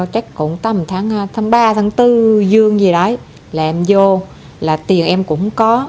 chắc cũng tầm tháng ba tháng bốn dương gì đó là em vô là tiền em cũng có